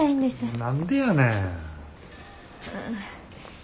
何でやねん。